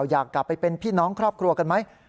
อยากกลับไปเป็นพี่น้องครอบครัวกันไหม